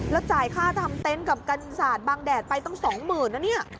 แล้วจ่ายค่าทำเต็นต์กับกันศาสตร์บางแดดไปตั้ง๒๐๐๐นะเนี่ย